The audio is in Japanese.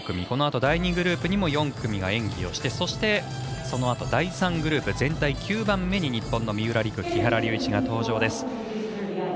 このあと第２グループにも４組が演技をしてそしてそのあと第３グループ全体９番目に日本の三浦璃来、木原龍一が登場です。